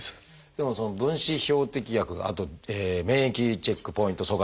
でもその分子標的薬あと免疫チェックポイント阻害薬。